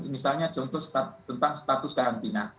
misalnya contoh tentang status karantina